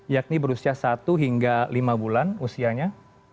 yakni berusia satu hingga lima bulan usianya